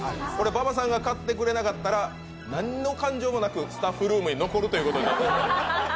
馬場さんが買ってくれなかったら何の感情もなくスタッフルームに残るということになります。